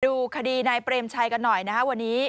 ดูคดีนายเปรมชัยกันหน่อยนะครับวันนี้